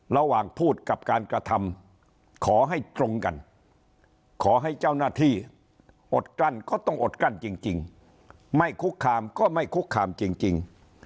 ระหว่างพูดกับการกระทำขอให้ตรงกันขอให้เจ้าหน้าที่อดกลั้นก็ต้องอดกลั้นจริงไม่คุกคามก็ไม่คุกคามจริง